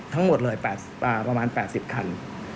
ทั้งหมดเลยประมาณ๘๐คัน